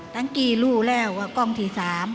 ตั้งกี่รู้แล้วว่ากล้องที่๓